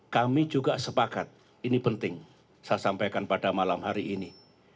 kami juga sepakat ini penting saya sampaikan pada malam hari ini